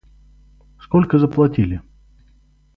Сколько заплатили?